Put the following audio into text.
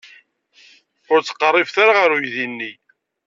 Ur ttqerribet ara ɣer uydi-nni.